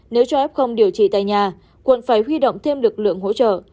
nếu cho f điều trị tại nhà quận phải huy động thêm lực lượng hỗ trợ